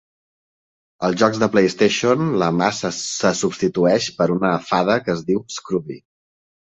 Als jocs de PlayStation, la mà se substitueix per una fada que es diu Scrubby.